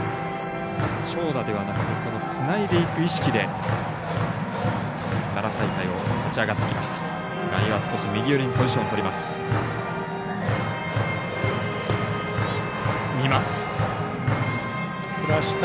長打ではなくてつないでいく意識で奈良大会を勝ち上がってきました。